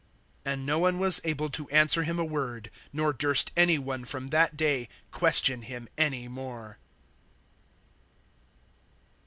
(46)And no one was able to answer him a word; nor durst any one from that day question him any more.